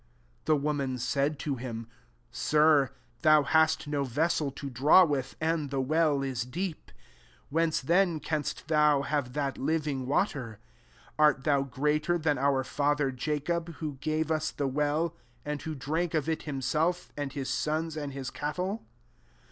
'' 11 The woman said to him, «« Sir, thou hast no vessel to draw with, and the well is deep i whence then canst thou have that living water ? 12 Art thou greater than our father Jacob, who gave us the well, and vfho drank of it hirasdf, said his sons, and his cattle